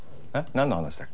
なんの話だっけ？